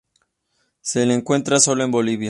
Se le encuentra sólo en Bolivia.